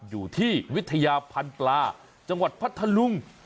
อยู่ที่วิทยาพันธุ์ปลาจังหวัดพัทธลุง